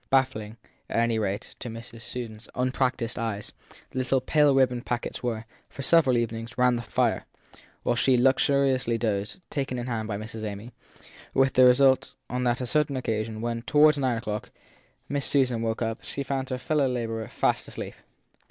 Baffling, at any rate, to Miss Susan s unpractised eyes, the little pale ribboned packets were, for several even ings, round the fire, while she luxuriously dozed, taken in hand by Miss Amy; with the result that on a certain occasion when, toward nine o clock, Miss Susan woke up, she found her fellow labourer fast asleep.